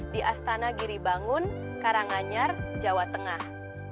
di astana giribangun karanganyar jawa tengah